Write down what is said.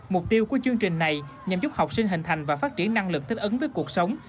mục tiêu của chương trình này nhằm giúp học sinh hình thành và phát triển năng lực thích ứng với cuộc sống